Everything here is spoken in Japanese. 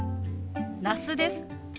那須です。